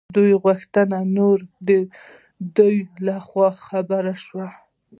دوی غوښتل نور د دوی له خوړو خبر شي.